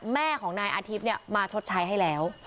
แม่ของนายอาทิตย์มาชดใช้ให้แล้ว